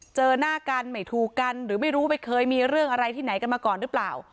เจอหน้ากันไม่ถูกกันหรือไม่รู้ไปเคยมีเรื่องอะไรที่ไหนกันมาก่อนหรือเปล่า